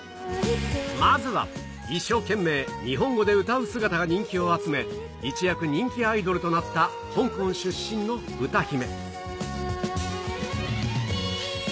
まずは一生懸命日本語で歌う姿が人気を集め、一躍人気アイドルとなった香港出身の歌姫。